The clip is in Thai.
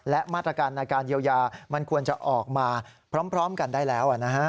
และมาตรการในการเยียวยามันควรจะออกมาพร้อมกันได้แล้ว